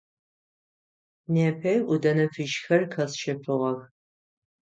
Непэ ӏудэнэ фыжьхэр къэсщэфыгъэх.